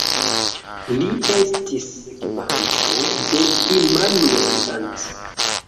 Li estis sekvanto de Immanuel Kant.